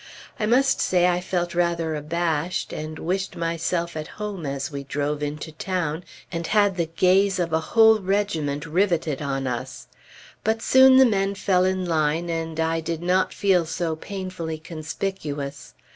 I must say I felt rather abashed and wished myself at home as we drove into town, and had the gaze of a whole regiment riveted on us. But soon the men fell in line, and I did not feel so painfully conspicuous.